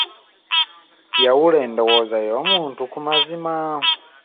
Yawula endowooza y'omuntu ku mazima.